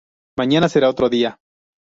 Mañana será otro día